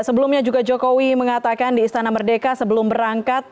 sebelumnya juga jokowi mengatakan di istana merdeka sebelum berangkat